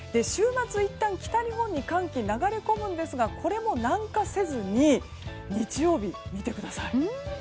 週末、いったん北日本に寒気が流れ込むんですがこれも南下せずに日曜日、見てください。